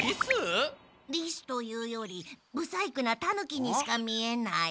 リスというよりブサイクなタヌキにしか見えない。